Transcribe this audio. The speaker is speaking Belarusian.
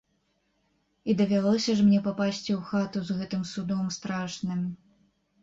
І давялося ж мне папасці ў хату з гэтым судом страшным!